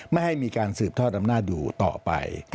ไม่ให้มีการสืบทอดอำนาจอยู่ต่อไป